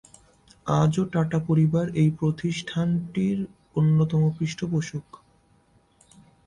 আজও টাটা পরিবার এই প্রতিষ্ঠানটির অন্যতম পৃষ্ঠপোষক।